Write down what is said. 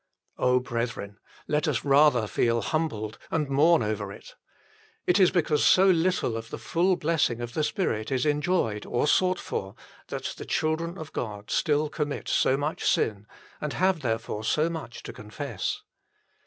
brethren, let us rather feel humbled and mourn over it ! It is because so little of the full blessing of the Spirit is enjoyed or sought for that the children of God still commit so much sin, and have therefore so much to confess.